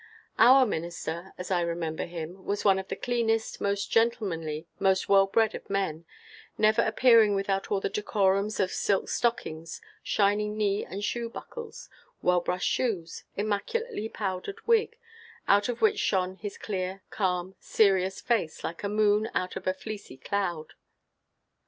Our minister, as I remember him, was one of the cleanest, most gentlemanly, most well bred of men, – never appearing without all the decorums of silk stockings, shining knee and shoe buckles, well brushed shoes, immaculately powdered wig, out of which shone his clear, calm, serious face, like the moon out of a fleecy cloud.